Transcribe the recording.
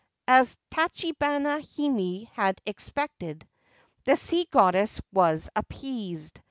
As Tachibana Hime had expected, the sea goddess was appeased.